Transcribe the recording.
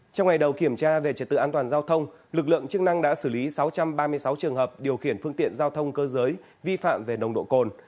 trong ngày đầu kiểm tra về trật tự an toàn giao thông lực lượng chức năng đã xử lý sáu trăm ba mươi sáu trường hợp điều khiển phương tiện giao thông cơ giới vi phạm về nồng độ cồn